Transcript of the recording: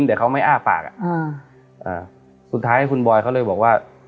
แต่เขาไม่อ้าปากอ่ะอ่าสุดท้ายคุณบอยเขาเลยบอกว่า